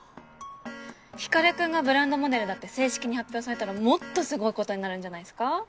光君がブランドモデルだって正式に発表されたらもっとすごいことになるんじゃないっすか？